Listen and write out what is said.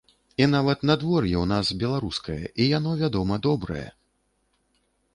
І нават надвор'е ў нас беларускае, і яно, вядома, добрае.